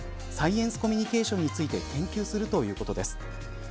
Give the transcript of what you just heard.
サイエンスコミュニケーションについて研究するということです。